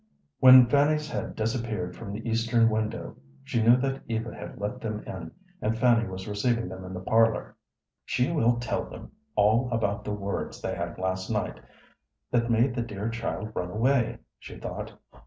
When Fanny's head disappeared from the eastern window she knew that Eva had let them in and Fanny was receiving them in the parlor. "She will tell them all about the words they had last night, that made the dear child run away," she thought.